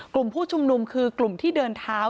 กลุ่มผู้ชุมนุมคือกลุ่มที่เดินเท้า